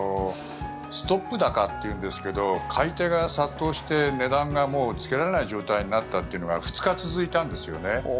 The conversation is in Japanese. ストップ高というんですけど買い手が殺到して値段がもうつけられない状態になったというのが２日続いたんですよね。